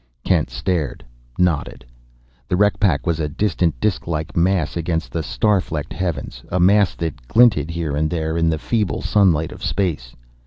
Kent stared; nodded. The wreck pack was a distant, disk like mass against the star flecked heavens, a mass that glinted here and there in the feeble sunlight of space.